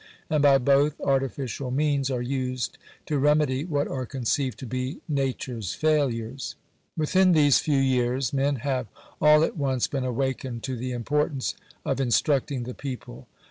And by both, artificial means are used to remedy what are conceived to be nature's failures. Within these few years men have all at once been awakened to the importance of instructing the people.